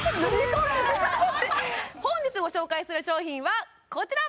本日ご紹介する商品はこちら！